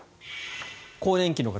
更年期の方